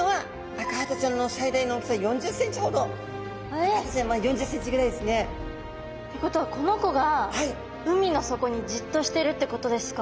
アカハタちゃん４０ｃｍぐらいですね。ってことはこの子が海の底にじっとしてるってことですか？